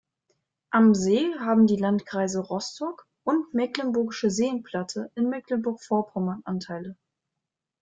Am See haben die Landkreise Rostock und Mecklenburgische Seenplatte in Mecklenburg-Vorpommern Anteile.